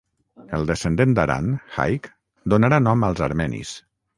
El descendent d'Aran, Haik, donarà nom als armenis.